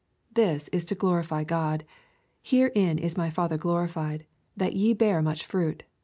This is to glorify God, —" Herein is my Father glorified, that ye bear much fruit."